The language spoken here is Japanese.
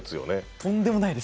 とんでもないです